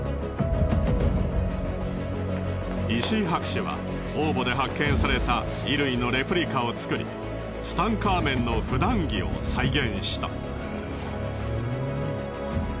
石井博士は王墓で発見された衣類のレプリカを作りツタンカーメンの普段着を再現した。